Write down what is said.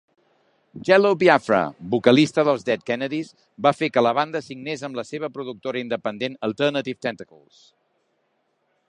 Jello Biafra, vocalista dels Dead Kennedys, va fer que la banda signés amb la seva productora independent Alternative Tentacles.